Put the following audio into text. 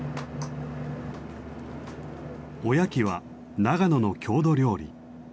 おやきは長野の郷土料理。